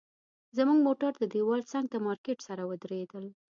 زموږ موټر د دیوال څنګ ته مارکیټ سره ودرېدل.